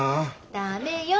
駄目よ。